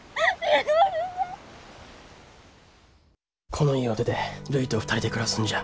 この家を出てるいと２人で暮らすんじゃ。